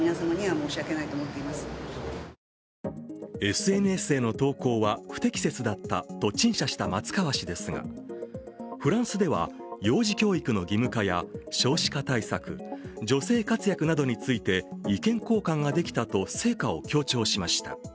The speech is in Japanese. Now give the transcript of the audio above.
ＳＮＳへの投稿は不適切だったと陳謝した松川氏ですが、フランスでは幼児教育の義務化や少子化対策、女性活躍などについて意見交換ができたと成果を強調しました。